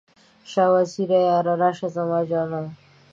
شاه وزیره یاره، راشه زما جانه؟